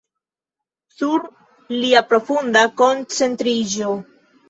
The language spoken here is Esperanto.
Sur lia profunda koncentriĝo.